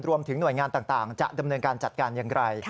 รวมถึงหน่วยงานต่างจะดำเนินการจัดการอย่างไร